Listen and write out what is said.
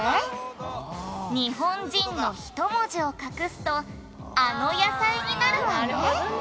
「“ニホンジン”の１文字を隠すとあの野菜になるわね！」